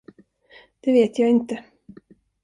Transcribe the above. Det vet jag inte.